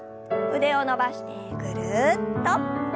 腕を伸ばしてぐるっと。